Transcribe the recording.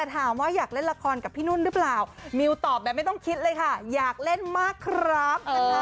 ถามว่าอยากเล่นละครกับพี่นุ่นหรือเปล่ามิวตอบแบบไม่ต้องคิดเลยค่ะอยากเล่นมากครับ